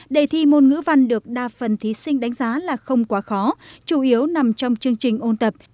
đề thi môn ngữ văn được đa phần thí sinh đánh giá là không quá khó chủ yếu nằm trong chương trình ôn tập